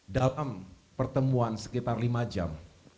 dalam pertemuan sekitar lima jam